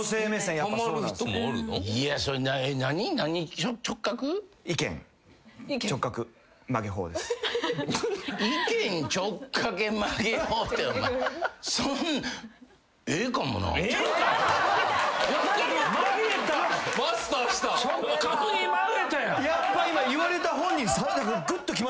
やっぱ今言われた本人ぐっときましたもん。